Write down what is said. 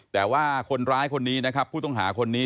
แต่ว่าคนร้ายคนนี้นะครับผู้ต้องหาคนนี้